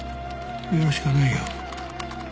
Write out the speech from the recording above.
やるしかないよ。